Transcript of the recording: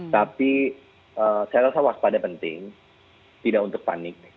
tapi saya rasa waspada penting tidak untuk panik